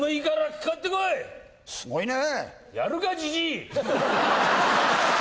すごいね。